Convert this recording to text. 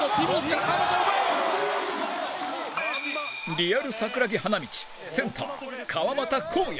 リアル桜木花道センター、川真田紘也